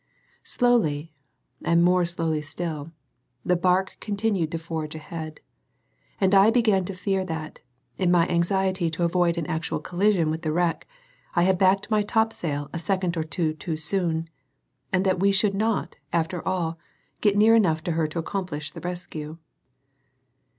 Slowly, and more slowly still, the barque continued to forge ahead; and I began to fear that, in my anxiety to avoid an actual collision with the wreck, I had backed my topsail a second or two too soon, and that we should not, after all, get near enough to her to accomplish the rescue.